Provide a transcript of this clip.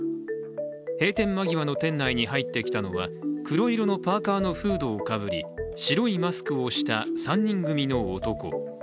閉店間際の店内に入ってきたのは黒色のパーカーのフードをかぶり白いマスクをした３人組の男。